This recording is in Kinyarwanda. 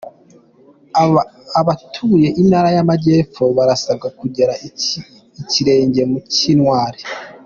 Abatuye Intara y’Amajyepfo barasabwa kugera ikirenge mu cy’intwari